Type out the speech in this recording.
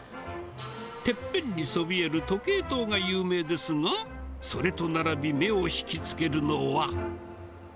てっぺんにそびえる時計塔が有名ですが、それと並び、目を引き付けるのは。